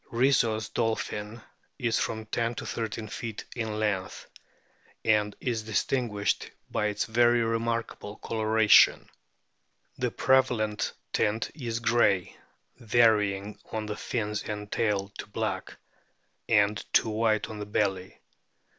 Risso's dolphin is from 10 13 feet in length, and is distinguished by its very remarkable coloration. The prevalent tint is grey, varying on the fins and tail to black, and to white on the belly.